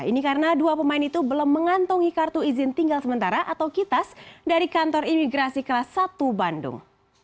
ini karena dua pemain itu belum mengantongi kartu izin tinggal sementara atau kitas dari kantor imigrasi kelas satu bandung